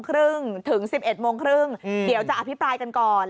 ครึ่งถึง๑๑โมงครึ่งเดี๋ยวจะอภิปรายกันก่อน